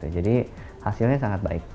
jadi hasilnya sangat baik